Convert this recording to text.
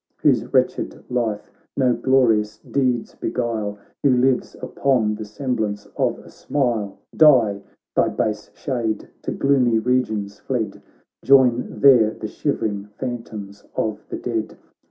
Whose wretched life no glorious deeds beguile. Who lives upon the semblance of a smile. Die ! thy base shade to gloomy regions fled, Join there the shivering phantoms of the dead.